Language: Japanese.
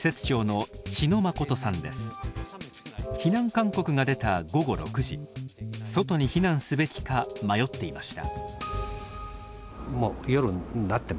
避難勧告が出た午後６時外に避難すべきか迷っていました。